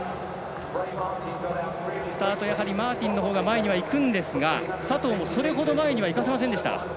スタート、マーティンのほうが前には行くんですが佐藤もそれほど前にはいかせませんでした。